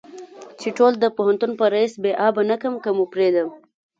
چې ټول د پوهنتون په ريس بې آبه نه کم که مو پرېدم.